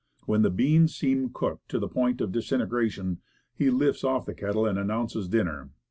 When the beans seem cooked to the point of disintegration, he lifts off the kettle, and announces dinner.